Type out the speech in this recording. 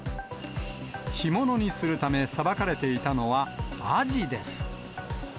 干物にするためさばかれていたのは、アジです。